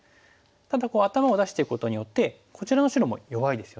ただ頭を出していくことによってこちらの白も弱いですよね。